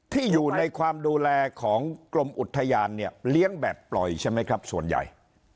ที่อยู่ในความดูแลของกรมอุทยานเนี่ยเลี้ยงแบบปล่อยใช่ไหมครับส่วนใหญ่